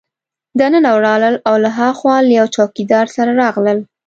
دننه ولاړل او له هاخوا له یوه چوکیدار سره راغلل.